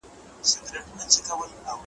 چټک غصه پښېماني راولي